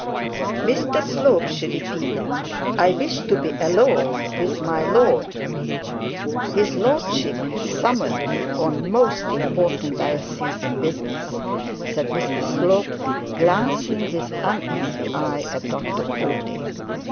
'Mr Slope,' she repeated, 'I wish to be alone with my lord.' 'His lordship has summoned me on most important diocesan business,' said Mr Slope, glancing with uneasy eye at Dr Proudie.